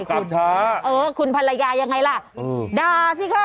ข่าวช้าเออคุณภรรยายังไงล่ะด่าสิคะ